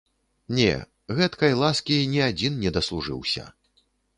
Не, гэткай ласкі ні адзін не даслужыўся.